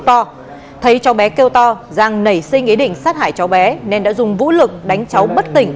to thấy cháu bé kêu to giang nảy sinh ý định sát hại cháu bé nên đã dùng vũ lực đánh cháu bất tỉnh